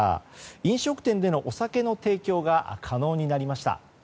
飲食店でのお酒の提供が可能になりました。